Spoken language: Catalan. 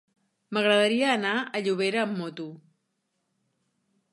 M'agradaria anar a Llobera amb moto.